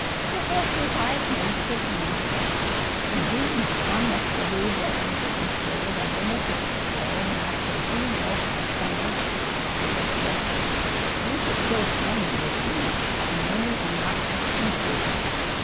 "It has revived me, certainly." "Indeed, one must believe that winter and cold are as beneficent, though not so genial, as summer and its warmth. Winter kills many a disease and many a noxious influence.